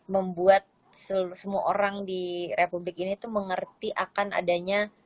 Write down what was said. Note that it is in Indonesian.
membuat semua orang di republik ini tuh mengerti akan adanya